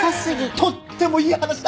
とってもいい話だ！